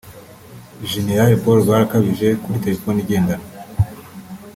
Jenerali Paul Rwarakabije kuri telefoni igendanwa